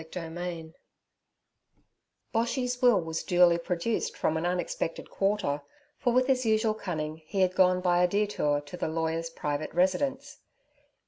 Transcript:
Chapter 11 BOSHY'S will was duly produced from an unexpected quarter, for with his usual cunning he had gone by a detour to the lawyer's private residence.